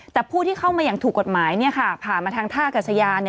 แต่ผู้ที่เข้ามาอย่างถูกกฎหมายผ่านมาทางท่ากัศยาน